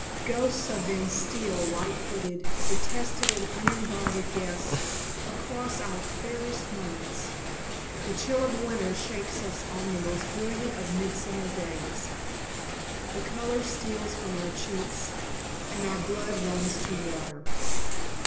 Ghosts of them steal light footed, detested and uninvited guests, across our fairest moments; the chill of winter shakes us on the most brilliant of midsummer days; the color steals from our cheeks, and our blood runs to water.